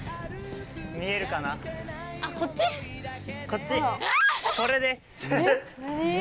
こっちそれです。